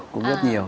cũng rất nhiều